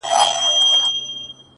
د ښار په جوارگرو باندي واوښتلې گراني ‘